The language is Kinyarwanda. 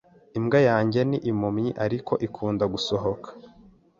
Imbwa yanjye ni impumyi, ariko ikunda gusohoka.